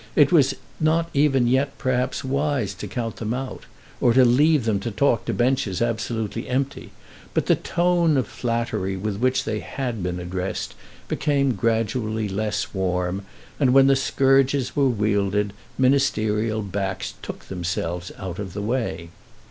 It was not even yet, perhaps, wise to count them out, or to leave them to talk to benches absolutely empty; but the tone of flattery with which they had been addressed became gradually less warm; and when the scourges were wielded, ministerial backs took themselves out of the way.